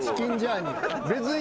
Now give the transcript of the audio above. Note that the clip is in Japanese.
別に。